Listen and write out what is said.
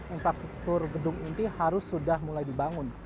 infrastruktur gedung inti harus sudah mulai dibangun